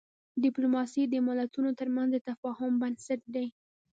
ډیپلوماسي د ملتونو ترمنځ د تفاهم بنسټ دی.